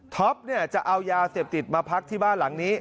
จะเอายาเสพติดมาพักที่บ้านหลังนี้